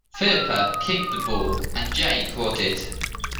Philippa kicked the ball, and Jane caught it.